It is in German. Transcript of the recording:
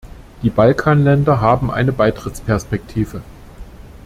Die Balkanländer haben eine Beitrittsperspektive.